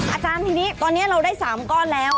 อาจารย์ทีนี้ตอนนี้เราได้๓ก้อนแล้ว